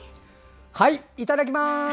はい、いただきます！